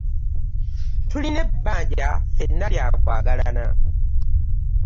Tulina ebbanja ffenna lya kwagalana.